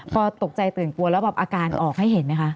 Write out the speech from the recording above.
พอตกใจตื่นกลัวแล้วแบบอาการออกให้เห็นไหมคะ